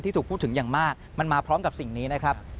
ถูกพูดถึงอย่างมากมันมาพร้อมกับสิ่งนี้นะครับ